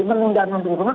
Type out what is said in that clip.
menunda membeli rumah